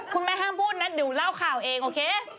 คุณหมายให้พูดนะเดี๋ยวเราข่าวเองโอเค